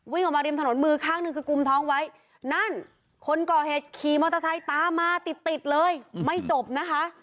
วิ่งออกมาริมถนนมือข้างหนึ่งคือกุมท้องไว้นั่นคนก่อเหตุขี่มอเตอร์ไซค์ตามมาติดติดเลยไม่จบนะคะ